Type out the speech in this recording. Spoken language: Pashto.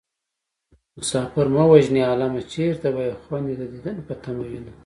مسافر مه وژنئ عالمه چېرته به يې خويندې د دين په تمه وينه